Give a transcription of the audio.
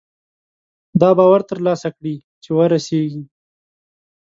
دا باور ترلاسه کړي چې وررسېږي.